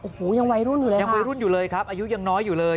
โอ้โหยังวัยรุ่นอยู่แล้วยังวัยรุ่นอยู่เลยครับอายุยังน้อยอยู่เลย